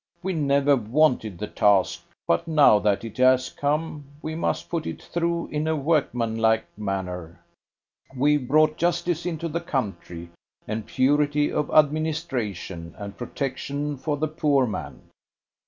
We never wanted the task; but, now that it has come, we must put it through in a workmanlike manner. We've brought justice into the country, and purity of administration, and protection for the poor man.